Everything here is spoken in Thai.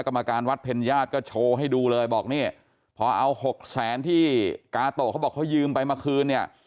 กรรมการวัดเพ็ญญาติก็โชว์ให้ดูเลยบอกนี่พอเอาหกแสนที่กาโตะเขาบอกเขายืมไปมาคืนเนี่ย